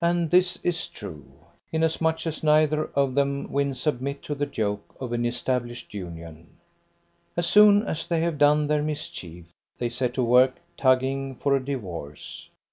And this is true, inasmuch as neither of them win submit to the yoke of an established union; as soon as they have done their mischief, they set to work tugging for a divorce.